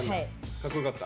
かっこよかった？